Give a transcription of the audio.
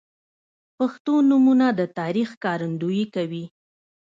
• پښتو نومونه د تاریخ ښکارندویي کوي.